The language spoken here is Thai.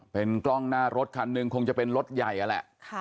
เป็นกล้องหน้ารถคันหนึ่งคงจะเป็นรถใหญ่นั่นแหละ